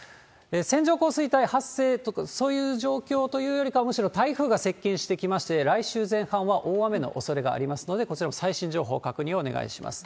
線状降水帯、発生とか、そういう状況というよりかは、むしろ台風が接近してきまして、来週前半は大雨のおそれがありますので、こちらも最新情報、確認をお願いします。